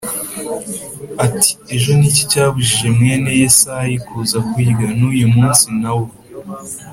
ati “Ejo ni iki cyabujije mwene Yesayi kuza kurya, n’uyu munsi na wo?”